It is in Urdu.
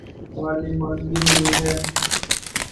پارلیمان بھی موجود ہے۔